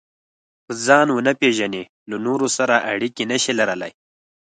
که ځان ونه پېژنئ، له نورو سره اړیکې نشئ لرلای.